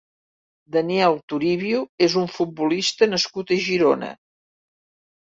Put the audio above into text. Daniel Toribio és un futbolista nascut a Girona.